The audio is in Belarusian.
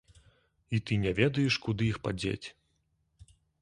І ты не ведаеш, куды іх падзець.